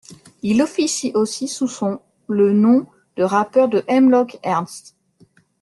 Il officie aussi sous son le nom de rappeur de Hemlock Ernst.